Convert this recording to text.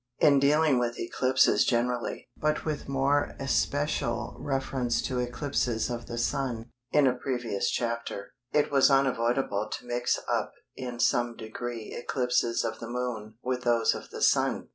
In dealing with eclipses generally, but with more especial reference to eclipses of the Sun, in a previous chapter, it was unavoidable to mix up in some degree eclipses of the Moon with those of the Sun.